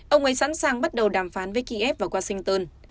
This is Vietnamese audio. ông ấy sẵn sàng bắt đầu đàm phán với kiev và washington